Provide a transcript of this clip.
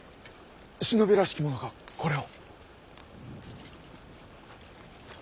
忍びらしき者がこれを。